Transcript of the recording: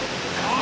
あ！